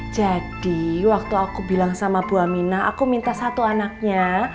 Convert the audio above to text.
jadi waktu aku bilang sama buah minah aku minta satu anaknya